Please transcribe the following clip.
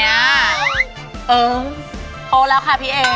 เออโทรแล้วค่ะพี่เอ